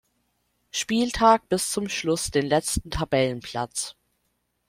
Spieltag bis zum Schluss den letzten Tabellenplatz.